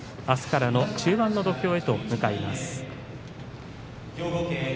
あすからの中盤の土俵へと向かいます。